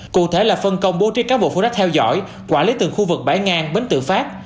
cụ thể là phân công bố trí các bộ phương đắc theo dõi quản lý từng khu vực bãi ngang bến tự phát